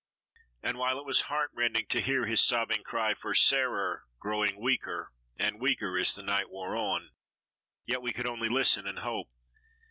And while it was heart rending to hear his sobbing cry for "Sarer" growing weaker and weaker as the night wore on, yet we could only listen and hope.